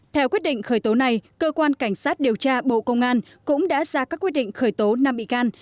theo quyết định khởi tố này cơ quan cảnh sát điều tra bộ công an cũng đã ra các quyết định khởi tố năm bị can